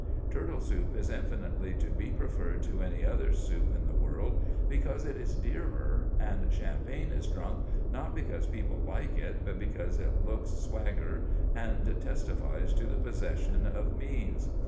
Turtle soup is infinitely to be preferred to any other soup in the world because it is dearer, and champagne is drunk, not because people like it, but because it looks swagger and testifies to the possession of means.